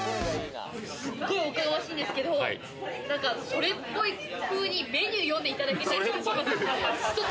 すごいおこがましいんですけれども、それっぽいふうにメニュー読んでいただけたりしますか？